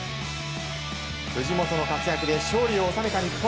藤本の活躍で勝利を収めた日本。